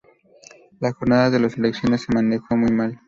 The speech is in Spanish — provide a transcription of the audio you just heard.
La jornada de las elecciones se manejó muy mal.